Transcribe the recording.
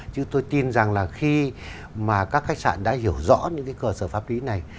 chứ tôi tin rằng là khi mà các khách sạn đã hiểu rõ những cái cơ sở pháp lý này